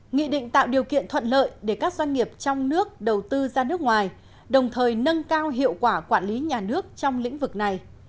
nghị định tạo điều kiện thuận lợi để các doanh nghiệp trong nước đầu tư ra nước ngoài đồng thời nâng cao hiệu quả quản lý nhà nước trong lĩnh vực này